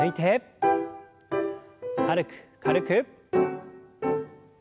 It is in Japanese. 軽く軽く。